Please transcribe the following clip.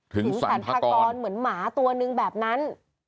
ถึงสรรพากรเหมือนหมาตัวนึงแบบนั้น